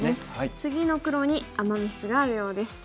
次の黒にアマ・ミスがあるようです。